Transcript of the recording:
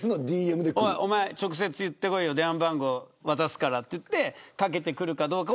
おまえ、直接いってこいよ電話番号渡すからと言ってかけてくるかどうか。